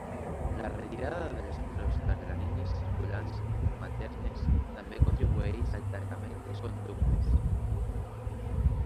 La retirada de les prostaglandines circulants maternes també contribueix al tancament dels conductes.